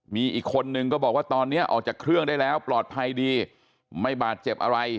มีอีกคนนึงก็บอกว่าตอนนี้ออกจากเครื่องได้แล้วปลอดภัยดีไม่บาดเจ็บอะไร